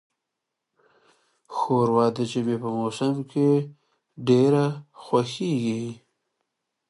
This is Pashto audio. شوروا د ژمي په موسم کې ډیره خوښیږي.